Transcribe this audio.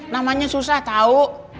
namanya susah tau